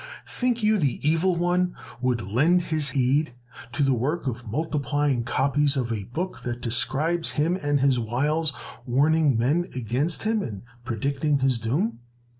Think you the Evil One would lend his aid to the work of multiplying copies of a book that describes him and his wiles, warning men against him and predicting his doom!